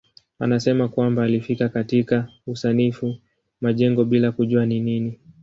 Anasema kwamba alifika katika usanifu majengo bila kujua ni nini.